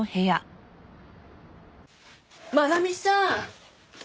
真奈美さん